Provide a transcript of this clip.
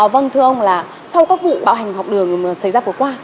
vâng thưa ông là sau các vụ bạo hành học đường xảy ra vừa qua